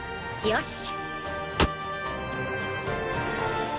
よし。